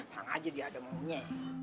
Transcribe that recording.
hang aja dia ada maunya